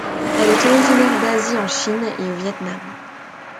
Elle est originaire d'Asie en Chine et au Viet Nam.